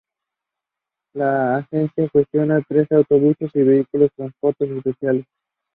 La agencia gestiona trenes, autobuses, y vehículos de transportes especiales.